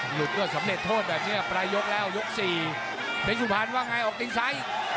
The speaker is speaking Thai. หยุดก็สำเร็จโทษแบบนี้ประยกแล้วยก๔เพศุภัณฑ์ว่าไงออกติดใส